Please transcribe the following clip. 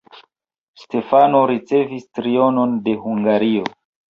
Stefano ricevis trionon de Hungario.